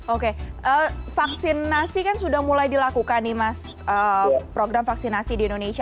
oke vaksinasi kan sudah mulai dilakukan nih mas program vaksinasi di indonesia